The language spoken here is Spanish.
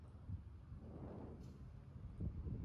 Era de fácil transporte y depósito.